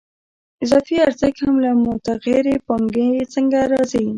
اضافي ارزښت هم له متغیرې پانګې څخه راځي